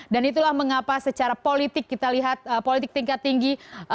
dan itulah mengapa secara politik kita lihat politik tingkat tinggi